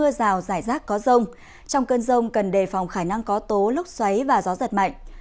mưa rào rải rác có rông trong cơn rông cần đề phòng khả năng có tố lốc xoáy và gió giật mạnh